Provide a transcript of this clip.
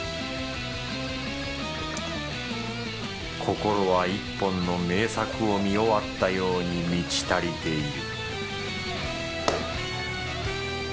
心は一本の名作を見終わったように満ち足りている